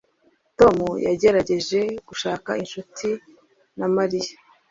Tom yagerageje gushaka inshuti na Mariya